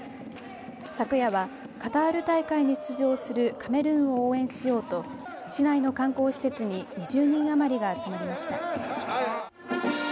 昨夜はカタール大会に出場するカメルーンを応援しようと市内の観光施設に２０人余りが集まりました。